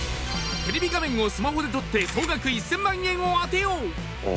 テレビ画面をスマホで撮って総額１０００万円を当てよう。